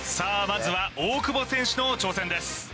まずは大久保選手の挑戦です